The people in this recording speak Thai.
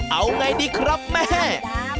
เอาไงดีครับแม่